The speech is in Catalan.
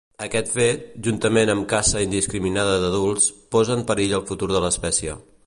Aquest fet, juntament amb caça indiscriminada d'adults, posa en perill el futur de l'espècie.